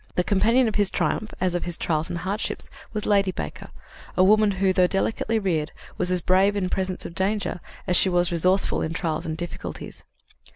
The companion of his triumph, as of his trials and hardships, was Lady Baker, a woman who, although delicately reared, was as brave in presence of danger as she was resourceful in trials and difficulties.